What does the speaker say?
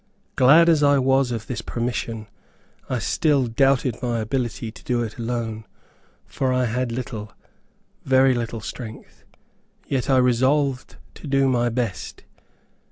Glad as I was of this permission, I still doubted my ability to do it alone, for I had little, very little strength; yet I resolved to do my best.